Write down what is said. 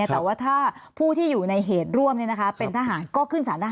แต่ว่าถ้าผู้ที่อยู่ในเหตุร่วมเป็นทหารก็ขึ้นสารทหาร